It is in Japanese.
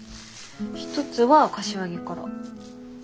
一つは柏木から。